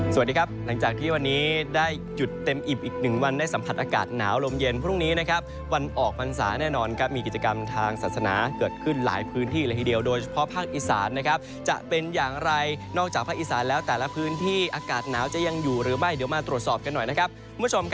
สวัสดีครับหลังจากที่วันนี้ได้หยุดเต็มอิ่มอีกหนึ่งวันได้สัมผัสอากาศหนาวลมเย็นพรุ่งนี้นะครับวันออกพรรษาแน่นอนครับมีกิจกรรมทางศาสนาเกิดขึ้นหลายพื้นที่เลยทีเดียวโดยเฉพาะภาคอีสานนะครับจะเป็นอย่างไรนอกจากภาคอีสานแล้วแต่ละพื้นที่อากาศหนาวจะยังอยู่หรือไม่เดี๋ยวมาตรวจสอบกันหน่อยนะครับ